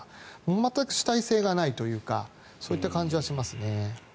全く主体性がないというかそういった感じはしますね。